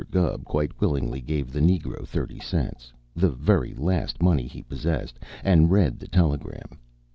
Gubb quite willingly gave the negro thirty cents, the very last money he possessed, and read the telegram.